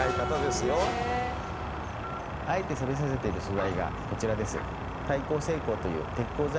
あえてサビさせてる素材がこちらです。